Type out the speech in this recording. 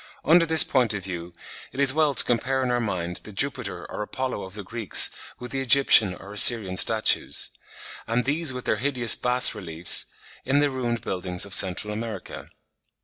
Under this point of view it is well to compare in our mind the Jupiter or Apollo of the Greeks with the Egyptian or Assyrian statues; and these with the hideous bas reliefs on the ruined buildings of Central America.